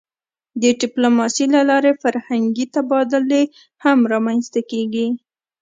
د ډیپلوماسی له لارې فرهنګي تبادلې هم رامنځته کېږي.